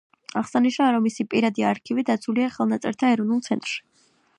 აღსანიშნავია, რომ მისი პირადი არქივი დაცულია ხელნაწერთა ეროვნულ ცენტრში.